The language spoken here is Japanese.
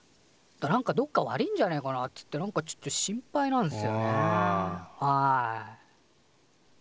なんかどっか悪いんじゃねえかなっつってなんかちょっと心配なんすよねはい。